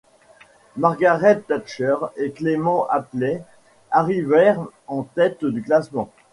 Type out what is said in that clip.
Margaret Thatcher et Clement Attlee arrivèrent en tête du classement.